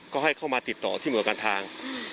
ก็ให้เข้ามาติดต่อที่หน่วยการทาง